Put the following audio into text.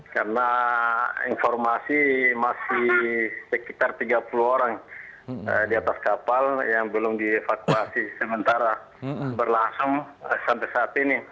karena informasi masih sekitar tiga puluh orang di atas kapal yang belum dievakuasi sementara berlangsung sampai saat ini